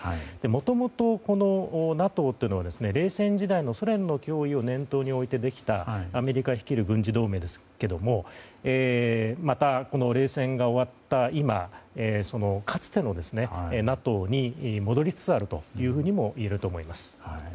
もともと、ＮＡＴＯっていうのは冷戦時代のソ連の脅威を念頭に置いてできたアメリカ率いる軍事同盟ですがまた、この冷戦が終わった今かつてのＮＡＴＯに戻りつつあるというふうにも言えると思います。